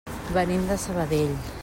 Venim de Sabadell.